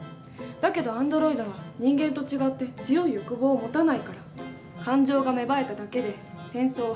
だけどアンドロイドは人間と違って強い欲望を持たないから感情が芽生えただけで戦争を始める事はない。